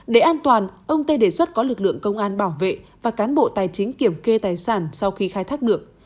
để an toàn ông tê đề xuất có lực lượng công an bảo vệ và cán bộ tài chính kiểm kê tài sản sau khi khai thác được